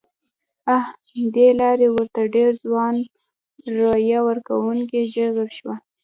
ه دې لارې ورته ډېر ځوان رایه ورکوونکي جذب شوي وو.